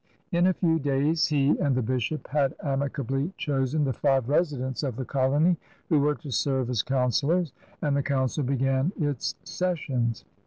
In a few days he and the bishop had amicably chosen the five residents of the colony who were to serve as councilors, and the council began its sessions.